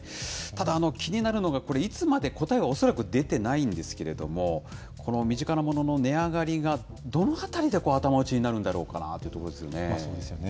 ただ気になるのが、これ、いつまで、答えは恐らく出てないんですけれども、この身近なものの値上がりが、どのあたりで頭打ちになるんだろうかなというところですよね。